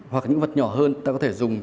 hoặc những vật nhỏ hơn ta có thể dùng